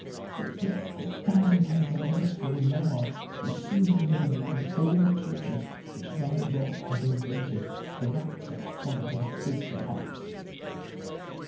But death, a thousand times more merciful than thou art, will soon deliver me from all the tortures which thy wrath hath invented, to rack such fond and faithful hearts."